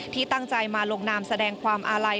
ที่ตั้งใจมาลงนามแสดงความอาลัย